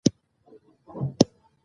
په اسلامي نړۍ کې یې ځانګړی هرکلی وشو.